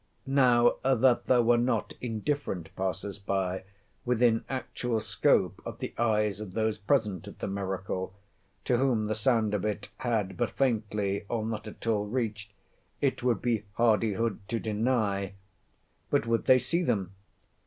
Now that there were not indifferent passers by within actual scope of the eyes of those present at the miracle, to whom the sound of it had but faintly, or not at all, reached, it would be hardihood to deny; but would they see them?